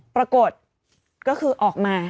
ปรากฏก็คือออกมา